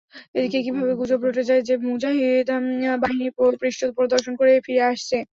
এদিকে কিভাবে গুজব রটে যায় যে, মুজাহিদ বাহিনী পৃষ্টপ্রদর্শন করে ফিরে আসছে।